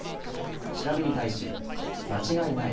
調べに対し間違いない。